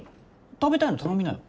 食べたいの頼みなよ。